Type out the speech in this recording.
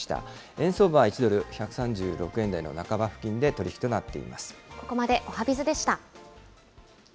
円相場は１ドル１３６円台の半ばでの取り引きとなっています。